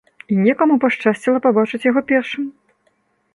І некаму пашчасціла пабачыць яго першым!